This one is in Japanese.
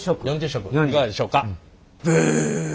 ４０色いかがでしょうか。